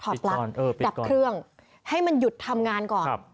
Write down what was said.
ถอดลับเออดับเครื่องให้มันหยุดทำงานก่อนครับ